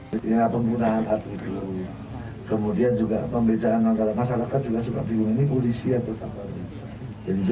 pembedaan antara masyarakat juga suka bingung ini polisi atau satpam